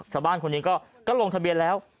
ชาวบ้านคนนี้ก็ลงทะเบียนแล้ว